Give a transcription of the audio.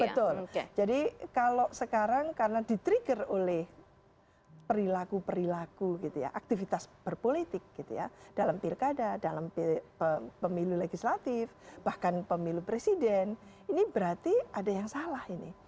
betul jadi kalau sekarang karena di trigger oleh perilaku perilaku gitu ya aktivitas berpolitik gitu ya dalam pilkada dalam pemilu legislatif bahkan pemilu presiden ini berarti ada yang salah ini